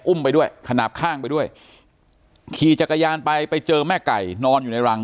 ไปด้วยขนาดข้างไปด้วยขี่จักรยานไปไปเจอแม่ไก่นอนอยู่ในรัง